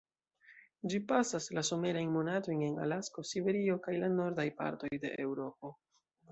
Ĝi pasas la somerajn monatojn en Alasko, Siberio, kaj la nordaj partoj de Eŭropo.